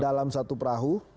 dalam satu perahu